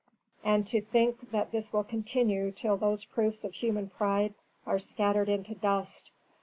"And to think that this will continue till those proofs of human pride are scattered into dust!